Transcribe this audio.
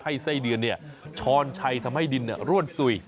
ไส้เดือนช้อนชัยทำให้ดินร่วนสุย